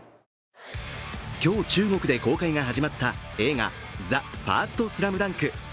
今日、中国で公開が始まった映画「ＴＨＥＦＩＲＳＴＳＬＡＭＤＵＮＫ」。